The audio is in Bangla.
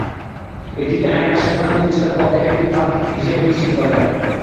এটিকে আইনের শাসন প্রতিষ্ঠার পথে একটি ধাপ হিসেবে চিহ্নিত করা যায়।